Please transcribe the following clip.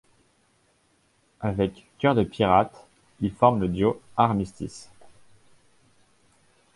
Avec Cœur de pirate, il forme le duo Armistice.